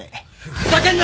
ふざけんな！